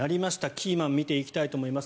キーマン見ていきたいと思います。